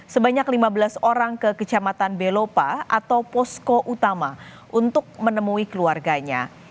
sebanyak lima belas orang ke kecamatan belopa atau posko utama untuk menemui keluarganya